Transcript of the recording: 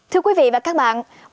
thưa quý vị và các bạn